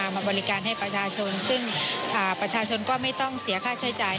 มาบริการให้ประชาชนซึ่งประชาชนก็ไม่ต้องเสียค่าใช้จ่าย